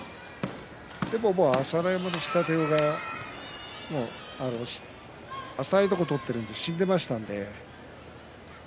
朝乃山の下手が浅いところを取っているので死んでいましたので。